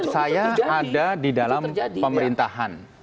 saya ada di dalam pemerintahan